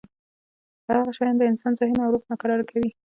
دغه شیان د انسان ذهن او روح ناکراره کوي.